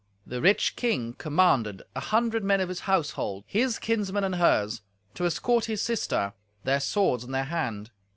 The rich king commanded an hundred men of his household, his kinsmen and hers, to escort his sister, their swords in their hand.